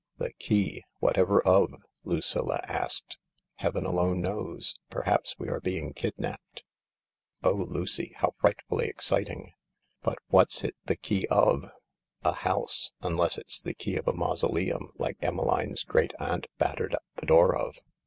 "The key! Whatever of?" Lucilla asked. "Heaven alone knows. Perhaps we are being kid napped. Oh, Lucy, how frightfully exciting." "But what's it the key of? " "A house. Unless it's the key of a mausoleum, like Emmeline's great aunt battered at the door of."